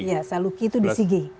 iya saluki itu di sigi